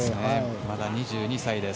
まだ２２歳です。